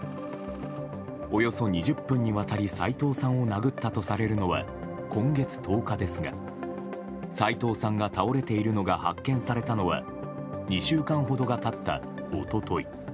およそ２０分にわたり斎藤さんを殴ったとされるのは今月１０日ですが、斎藤さんが倒れているのが発見されたのは２週間ほどが経った一昨日。